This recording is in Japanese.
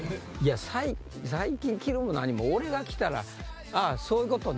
最近着るも何も俺が着たらあぁそういうことね！